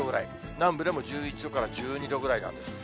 南部でも１１度から１２度ぐらいなんです。